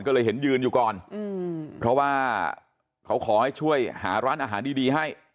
ก็เลยเห็นยืนอยู่ก่อนเพราะว่าเขาขอให้ช่วยหาร้านอาหารดีดีให้